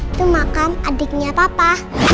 itu makam adiknya papa